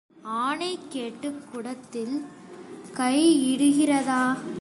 ஆனை கெட்டுக் குடத்தில் கை இடுகிறதா?